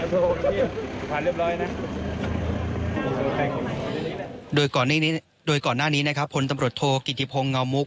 ผ่านเรียบร้อยนะโดยก่อนหน้านี้นะครับผลตำรสโทษกิจทิพงศ์เงามุก